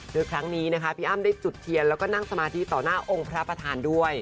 โดยครั้งนี้พี่อ้ามได้จุดเถียนและสมาธิต่อหน้าองค์มีพระประธาน